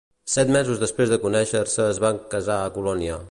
Set mesos després de conèixer-se, es van casar a Colònia.